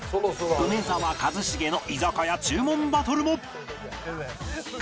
梅沢一茂の居酒屋注文バトルも！